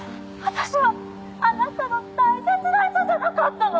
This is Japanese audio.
「私はあなたの大切な人じゃなかったの！？」